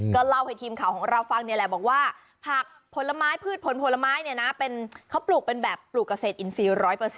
ก็เล่าให้ทีมข่าวของเราฟังแบบว่าผลไม้พืชผลพลไม้เป็นแบบปลูกเกษตรอินทรีย์๑๐๐